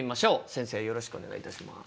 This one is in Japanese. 先生よろしくお願いいたします。